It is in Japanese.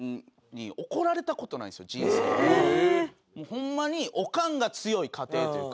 ホンマにオカンが強い家庭というか。